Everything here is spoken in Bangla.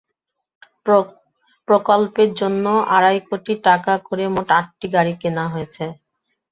প্রকল্পের জন্য আড়াই কোটি টাকা করে মোট আটটি গাড়ি কেনা হয়েছে।